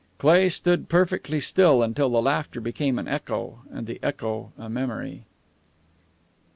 Cleigh stood perfectly still until the laughter became an echo and the echo a memory.